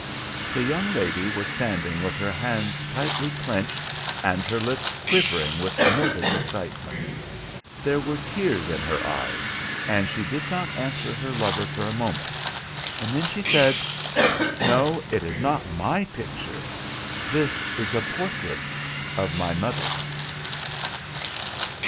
The young lady was standing with her hands tightly clenched and her lips quivering with nervous excitement. There were tears in her eyes, and she did not answer her lover for a moment; then she said— "No, it is not my picture. This is a portrait of my mother."